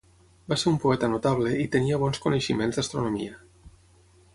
Va ser un poeta notable i tenia bons coneixements d'astronomia.